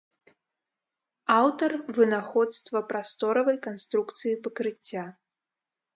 Аўтар вынаходства прасторавай канструкцыі пакрыцця.